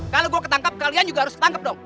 kalau gue ketangkep kalian juga harus ketangkep dong